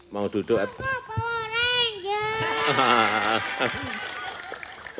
kuku poweran jatuh